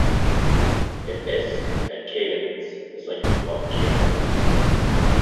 If "S" has "k" elements, the cycle is called a "k"-cycle.